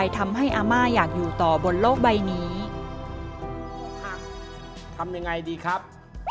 ทำยังไงดีครับ